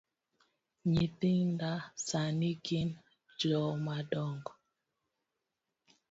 Nyithinda sani gin jomadongo.